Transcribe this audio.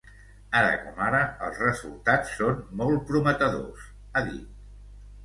Ara com ara, els resultats són molt prometedors, ha dit.